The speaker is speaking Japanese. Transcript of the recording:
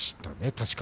確か。